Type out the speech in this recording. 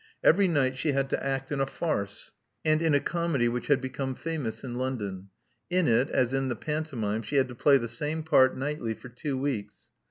Every night she had to act in a farce, and in a Love Among the Artists 149 comedy which had become famous in London. In it, as in the pantomime, she had to play the same part nightly for two weeks.